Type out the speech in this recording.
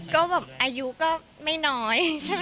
คิดตรงกันอายุก็ไม่น้อยใช่ไหมคะ